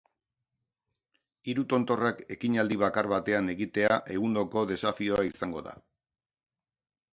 Hiru tontorrak ekinaldi bakar batean egitea egundoko desafioa izango da.